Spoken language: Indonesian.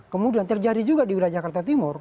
kemudian terjadi juga di wilayah jakarta timur